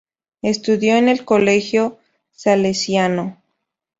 Estudio en el Colegio Salesiano.